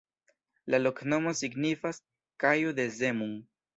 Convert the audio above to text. La loknomo signifas: kajo de Zemun.